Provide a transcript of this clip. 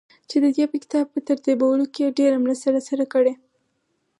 چي ددې کتاب په ترتيبولو کې يې ډېره مرسته راسره کړې ده.